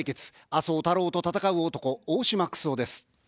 麻生太郎と戦う男、大島九州男です。